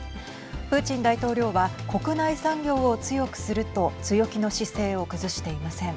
プーチン大統領は国内産業を強くすると強気の姿勢を崩していません。